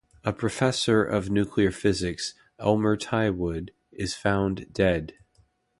A Professor of Nuclear Physics, Elmer Tywood, is found dead.